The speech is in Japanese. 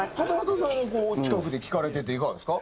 鰰さんはこう近くで聴かれてていかがですか？